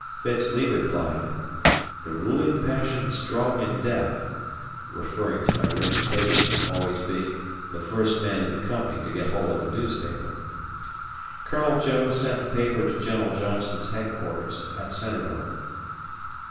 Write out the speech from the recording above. Fitz Lee replied, "The ruling passion strong in death," referring to my reputation of always being the first man in the company to get hold of a newspaper. Colonel Jones sent the paper to General Johnston's headquarters at Centreville.